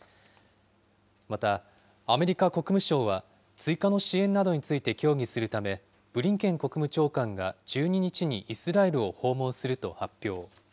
また、アメリカ国務省は、追加の支援などについて協議するため、ブリンケン国務長官が１２日にイスラエルを訪問すると発表。